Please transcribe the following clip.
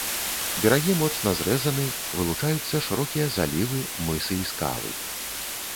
Берагі моцна зрэзаны, вылучаюцца шырокія залівы, мысы і скалы.